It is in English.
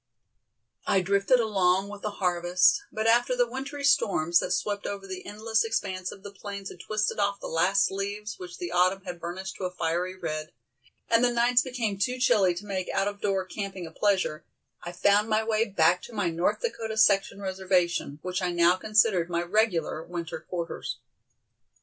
I drifted along with the harvest, but after the wintry storms that swept over the endless expanse of the plains had twisted off the last leaves which the autumn had burnished to a fiery red, and the nights became too chilly to make out of door camping a pleasure, I found my way back to my North Dakota section reservation, which I now considered my regular winter quarters.